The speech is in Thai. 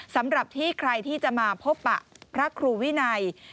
สำหรับที่ใครที่จะมาพบปะพระครูวินัย